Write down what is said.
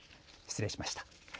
失礼しました。